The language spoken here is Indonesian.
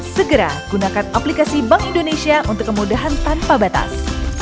segera gunakan aplikasi bank indonesia untuk kemudahan tanpa batas